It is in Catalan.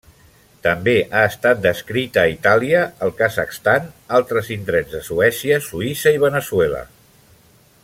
També ha estat descrita a Itàlia, el Kazakhstan, altres indrets de Suècia, Suïssa i Veneçuela.